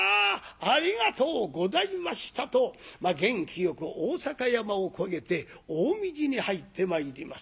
ありがとうございました」と元気よく逢坂山を越えて近江路に入ってまいります。